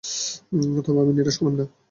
তবে আমি নিরাশ হলাম না।